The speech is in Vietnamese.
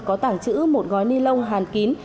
có tảng chữ một gói ni lông hàn kín